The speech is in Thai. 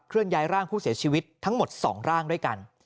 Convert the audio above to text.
ย้ายร่างผู้เสียชีวิตทั้งหมด๒ร่างด้วยกัน